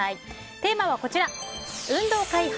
テーマはこちら運動会派？